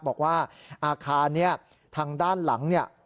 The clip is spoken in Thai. บอกว่าอาคารนี้ทางด้านหลังเนี่ย